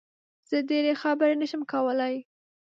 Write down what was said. زه ډېری خبرې نه شم کولی